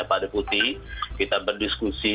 pak deputi kita berdiskusi